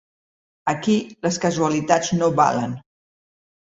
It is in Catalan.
Aquí les casualitats no valen.